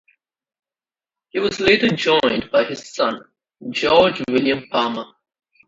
He was later joined by his son, George William Palmer.